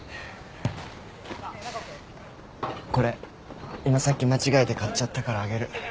これ今さっき間違えて買っちゃったからあげる。